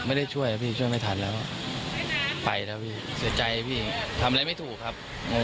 ช่วยพี่ช่วยไม่ทันแล้วไปแล้วพี่เสียใจพี่ทำอะไรไม่ถูกครับ